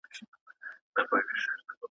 تنورونه له اسمانه را اوریږي .